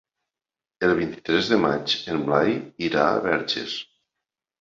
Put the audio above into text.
El vint-i-tres de maig en Blai irà a Verges.